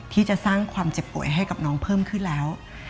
ที่จะสร้างความเจ็บป่วยให้กับน้องเพิ่มขึ้นแล้ว